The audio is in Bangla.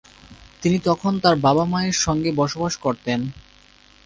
তিনি তখন তার বাবা মায়ের সঙ্গে বসবাস করতেন।